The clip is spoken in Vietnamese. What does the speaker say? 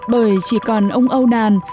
bởi chỉ còn ông âu đàn